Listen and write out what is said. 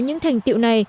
những thành tiệu này